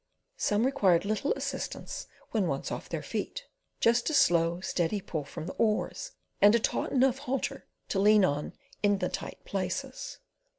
Some required little assistance when once off their feet; just a slow, steady pull from the oars, and a taut enough halter to lean on in the tight places.